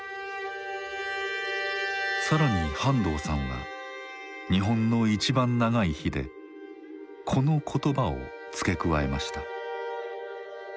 更に半藤さんは「日本のいちばん長い日」でこの言葉を付け加えました。